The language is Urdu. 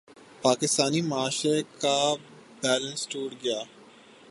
پاکستانی معاشرے کا بیلنس ٹوٹ گیا۔